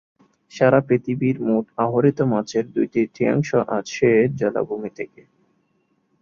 সারা পৃথিবীর মোট আহরিত মাছের দুই তৃতীয়াংশ আসে জলাভূমি থেকে।